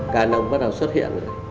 canon bắt đầu xuất hiện rồi đấy